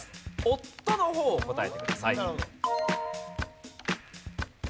夫の方を答えてください。